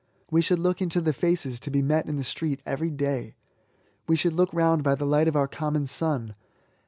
We should look into the faces to be met in the street eyery day; we should look round by the light of our common sun.